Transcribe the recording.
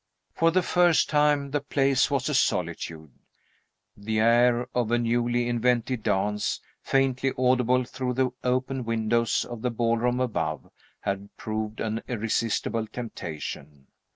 For the first time the place was a solitude. The air of a newly invented dance, faintly audible through the open windows of the ballroom above, had proved an irresistible temptation.